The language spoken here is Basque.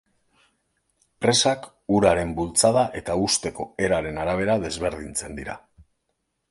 Presak uraren bultzada eta husteko eraren arabera desberdintzen dira.